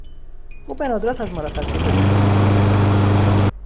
او به ندرت از مرخصی بدون حقوق استفاده میکند.